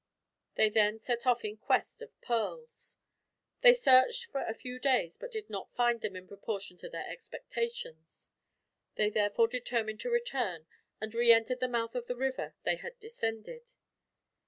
They then set off in quest of pearls. They searched for a few days, but did not find them in proportion to their expectations. They therefore determined to return, and re entered the mouth of the river they had descended.